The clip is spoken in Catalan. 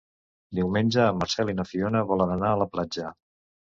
Diumenge en Marcel i na Fiona volen anar a la platja.